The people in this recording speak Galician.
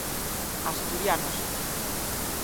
Asturianos.